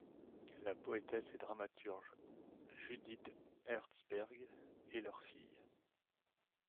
La poétesse et dramaturge Judith Herzberg est leur fille.